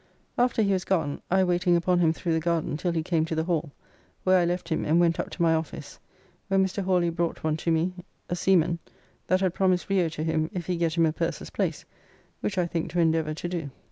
After he was gone, I waiting upon him through the garden till he came to the Hall, where I left him and went up to my office, where Mr. Hawly brought one to me, a seaman, that had promised Rio to him if he get him a purser's place, which I think to endeavour to do.